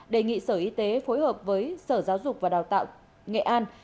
đề nghị sở y tế phối hợp với sở giáo dục và đào tạo nghệ an